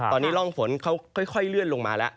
ตอนนี้ร่องฝนเขาค่อยเลื่อนลงมาแล้ว